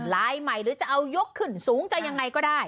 ลายใหม่หรือจะเอายกขึ้นสูงจะยังไงก็ได้